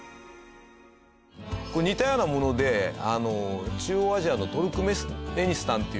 これ似たようなもので中央アジアのトルクメニスタンっていう国にあるんですよ。